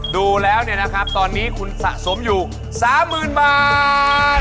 ดูแล้วเนี่ยนะครับตอนนี้คุณสะสมอยู่๓๐๐๐บาท